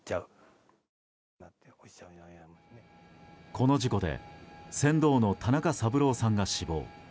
この事故で船頭の田中三郎さんが死亡。